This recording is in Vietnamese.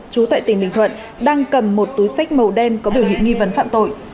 chú tại tỉnh bình thuận đang cầm một túi sách màu đen có biểu hiện nghi vấn phạm tội